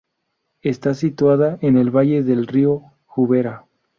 Está situada en el valle del Río Jubera.